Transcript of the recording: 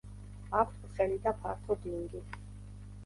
აქვთ ბრტყელი და ფართო დინგი.